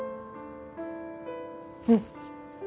うん。